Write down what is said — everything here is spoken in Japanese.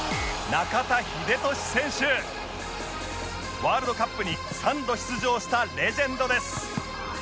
ワールドカップに３度出場したレジェンドです